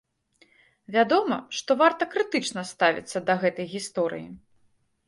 Вядома, што варта крытычна ставіцца да гэтай гісторыі.